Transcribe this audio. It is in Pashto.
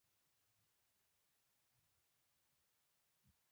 کلی په دې توګه له انسان له وېرې او غلا خلاص شو.